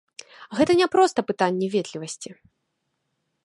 Гэта не проста пытанне ветлівасці.